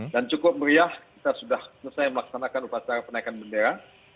dan cukup meriah kita sudah selesai melaksanakan upacara penaikan bendera